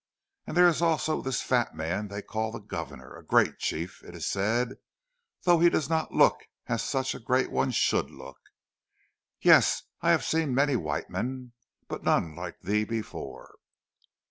And there is also this fat man they call the governor a great chief, it is said; though he does not look as such a great one should look. Yes, I have seen many white men, but none like thee before."